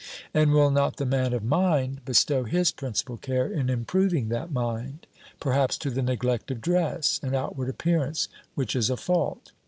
And will not the man of mind bestow his principal care in improving that mind? perhaps to the neglect of dress, and outward appearance, which is a fault.